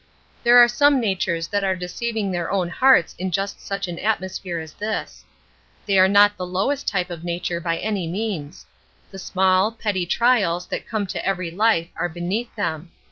There are some natures that are deceiving their own hearts in just such an atmosphere as this. They are not the lowest type of nature by any means. The small, petty trials that come to every life are beneath them.